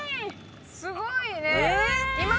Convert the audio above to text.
すごいね。